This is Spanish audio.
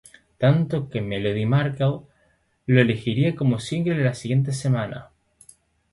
Tanto, que Melody Maker lo elegiría como single de la semana.